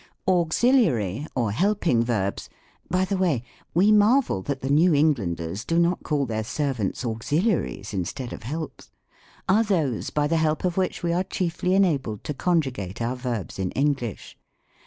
Auxiliary, or helping Verbs (by the way vve marvel that the New Englanders do not call their servants auxiliaries instead of helps) are those, by the help of which we are chiefly enabled to conjugate our verbs in English.